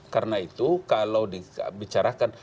karena itu kalau dibicarakan